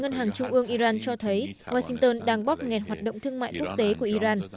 ngân hàng trung ương iran cho thấy washington đang bóp nghẹt hoạt động thương mại quốc tế của iran